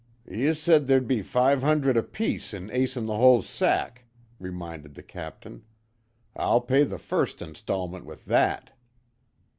"Ye said there'd be five hundred apiece in Ace In The Hole's sack," reminded the Captain, "I'll pay the first installment with that."